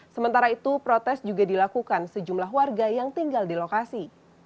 sementara itu protes juga dilakukan sejumlah warga yang tinggal di lokasi